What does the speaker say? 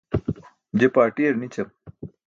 je parṭiyar nićam